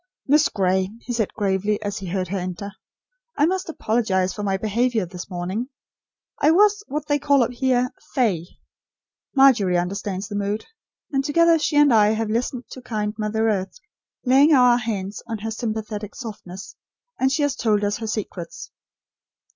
"Miss Gray," he said gravely, as he heard her enter, "I must apologise for my behaviour this morning. I was what they call up here 'fey.' Margery understands the mood; and together she and I have listened to kind Mother Earth, laying our hands on her sympathetic softness, and she has told us her secrets.